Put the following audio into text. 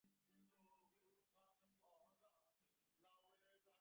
মুহূর্তের জন্য স্তব্ধ হয়ে দাঁড়াল রুদ্ধ নাবার ঘরের বাইরে।